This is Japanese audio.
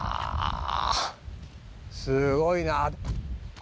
すごいな。